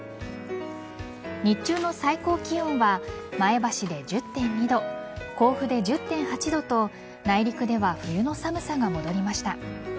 日中の最高気温は前橋で１０．２度甲府で１０．８度と内陸では冬の寒さが戻りました。